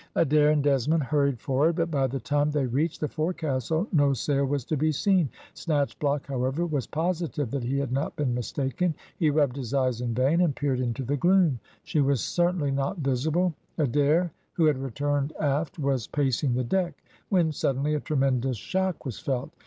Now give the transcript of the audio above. Adair and Desmond hurried forward, but by the time they reached the forecastle no sail was to be seen. Snatchblock, however, was positive that he had not been mistaken. He rubbed his eyes in vain, and peered into the gloom. She was certainly not visible. Adair, who had returned aft, was pacing the deck, when suddenly a tremendous shock was felt.